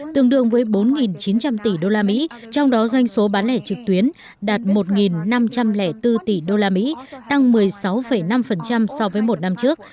tương đương với bốn chín trăm linh tỷ usd trong đó doanh số bán lẻ trực tuyến đạt một năm trăm linh bốn tỷ usd tăng một mươi sáu năm so với một năm trước